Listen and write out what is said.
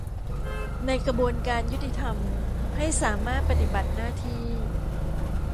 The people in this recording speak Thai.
ในกระบวนการยุติธรรมให้สามารถปฏิบัติหน้าที่